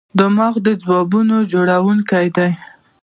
دماغ د خوبونو جوړونکی دی.